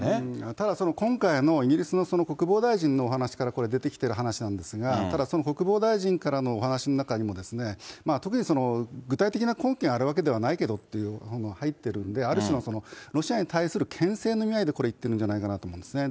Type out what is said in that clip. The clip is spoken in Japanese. ただその今回のイギリスの国防大臣のお話から出てきている話なんですが、ただその国防大臣からのお話の中には、特に具体的な根拠があるわけではないけどって入ってるんで、ある種のロシアに対するけん制の意味合いでこれ、言ってるんじゃないかなと思うんですね。